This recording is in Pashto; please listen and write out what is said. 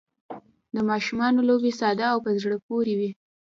د ماشومانو لوبې ساده او په زړه پورې وي.